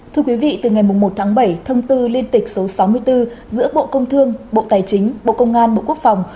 thưa quý vị từ ngày một tháng bảy thông tư liên tịch số sáu mươi bốn giữa bộ công thương bộ tài chính bộ công an bộ quốc phòng